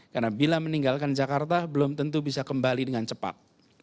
karena bila meninggalkan jakarta belum tentu bisa kembali dengan cepat